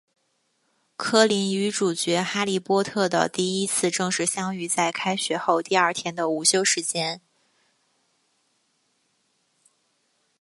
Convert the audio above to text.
柯林与主角哈利波特的第一次正式相遇在开学后第二天的午休时间。